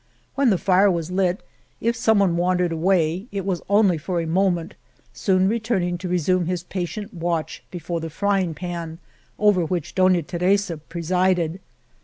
When the fire was lit, if someone wandered away, it was only for a moment, soon returning to resume his patient watch before the frying pan, over which Dona Teresa presided.